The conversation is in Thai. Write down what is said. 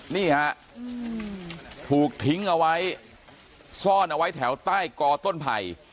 นี่ฮะถูกทิ้งเอาไว้ซ่อนเอาไว้แถวใต้กอต้นไผ่